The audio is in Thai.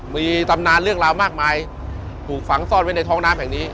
มีตำนานเรื่องราวมากมายถูกฝังซ่อนไว้ในท้องน้ำแห่งนี้